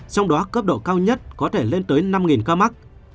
trong đó cấp độ cao nhất có thể lên tới năm ca mắc